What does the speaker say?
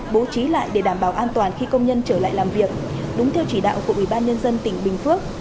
bố trí lại để đảm bảo an toàn khi công nhân trở lại làm việc đúng theo chỉ đạo của ubnd tỉnh bình phước